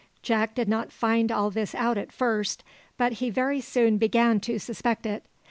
Jack did not find all this out at first; but he very soon began to suspect it.